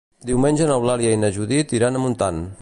Diumenge n'Eulàlia i na Judit iran a Montant.